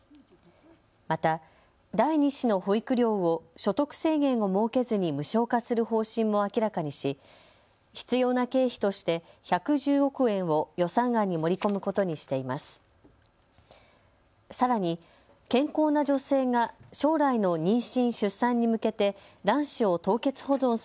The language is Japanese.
また第２子の保育料を所得制限を設けずに無償化する方針も明らかにし必要な経費として１１０億円を予算案に盛り込むことにしています。